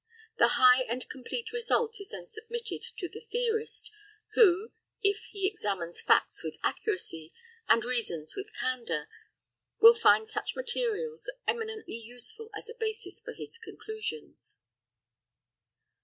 The high and complete result is then submitted to the theorist, who, if he examines facts with accuracy, and reasons with candour, will find such materials eminently useful as a basis for his conclusions.